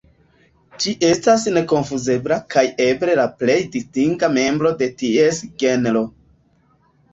Ĝi estas nekonfuzebla kaj eble la plej distinga membro de ties genro.